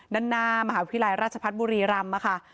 ด้านหน้ามหาวิทยาลัยราชพัฒน์บุรีรำค่ะ